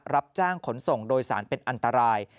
รับจ้างขนส่งโดยสารเป็นอันตราย